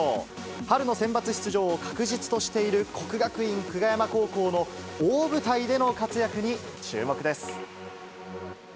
春のセンバツ出場を確実としている國學院久我山高校の大舞台での活躍に注目です。